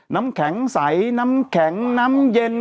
น้ำแข็งใสน้ำแข็งน้ำเย็น